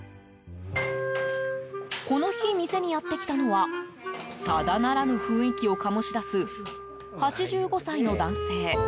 この日、店にやってきたのはただならぬ雰囲気を醸し出す８５歳の男性。